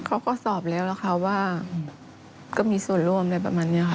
เขาก็สอบแล้วล่ะค่ะว่าก็มีส่วนร่วมอะไรประมาณนี้ค่ะ